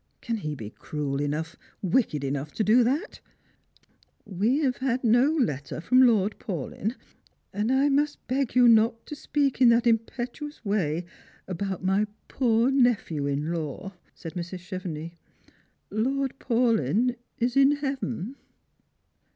Can he be cruel enough, wicked enough to do that ?"" We have had no letter from Lord Panlyn, and I must beg you not to speak in that impetuous way about my poor nephew in law," said Mrs. Chevenix. " Lord Paulyn is in heaven."